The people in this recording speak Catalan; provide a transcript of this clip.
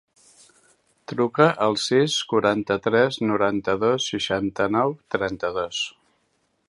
Truca al sis, quaranta-tres, noranta-dos, seixanta-nou, trenta-dos.